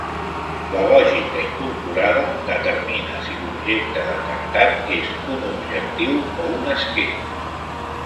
La lògica incorporada determina si l'objecte detectat és un objectiu o un esquer.